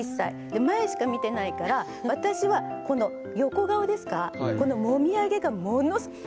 で前しか見てないから私はこの横顔ですかこのもみあげがものすウフフ。